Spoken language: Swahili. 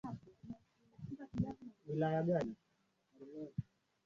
Seyyid Said aliubadilisha Mji wa Zanzibar kutoka nyumba za udongo zilizoezekwa makuti